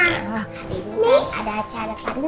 hari ini ada acara panas deh